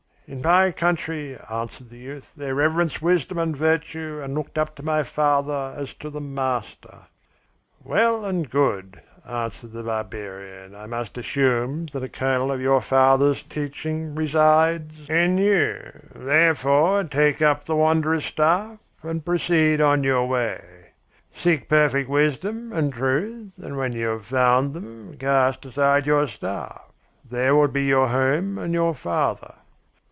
"'In my country,' answered the youth, 'they reverenced wisdom and virtue and looked up to my father as to the master.' "'Well and good,' answered the barbarian. 'I must assume that a kernel of your father's teaching resides in you. Therefore take up the wanderer's staff, and proceed on your way. Seek perfect wisdom and truth, and when you have found them, cast aside your staff there will be your home and your father.'